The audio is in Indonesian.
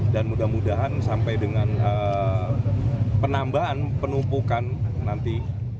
dan mudah mudahan sampai dengan penambahan penumpukan nanti